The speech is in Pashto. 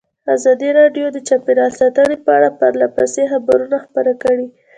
ازادي راډیو د چاپیریال ساتنه په اړه پرله پسې خبرونه خپاره کړي.